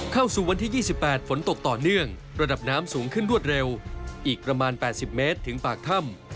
เข้าสู่วันที่๒๘ฝนตกต่อเนื่องระดับน้ำสูงขึ้นรวดเร็วอีกประมาณ๘๐เมตรถึงปากถ้ำ